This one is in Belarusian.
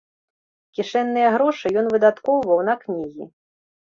Кішэнныя грошы ён выдаткоўваў на кнігі.